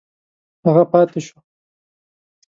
هغه پاته شو.